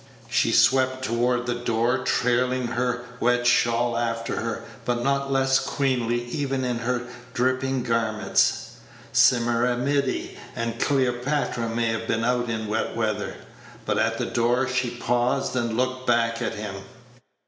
She swept toward the door, trailing her wet shawl after her, but not less queenly, even in her dripping garments (Semiramide and Cleopatra may have been out in wet weather); but at the door she paused and looked back at him.